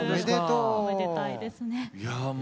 おめでたいですね。